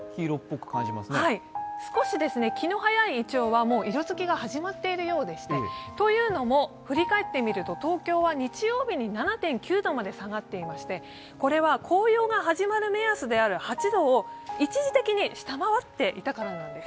少し気の早いいちょうは色づきが始まっているようでしてというのも、振り返ってみると東京は日曜日に７．９度まで下がっていまして、これは紅葉が始まる目安である８度を一時的に下回っていたからなんです